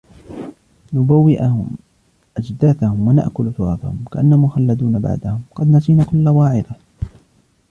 نُبَوِّئُهُمْ أَجْدَاثَهُمْ وَنَأْكُلُ تُرَاثَهُمْ كَأَنَّا مُخَلَّدُونَ بَعْدَهُمْ قَدْ نَسِينَا كُلَّ وَاعِظَةٍ